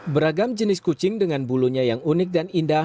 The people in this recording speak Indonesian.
beragam jenis kucing dengan bulunya yang unik dan indah